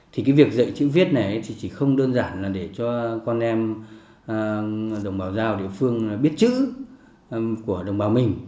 thì cái việc dạy chữ viết này thì chỉ không đơn giản là để cho con em đồng bào giao ở địa phương biết chữ của đồng bào mình